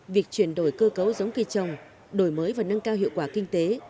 việc chuyển đổi cơ cấu giống cây trồng đổi mới và nâng cao hiệu quả kinh tế